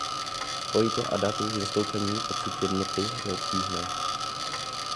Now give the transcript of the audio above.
Spojit je a dát jejich zastoupení pocit jednoty, je obtížné.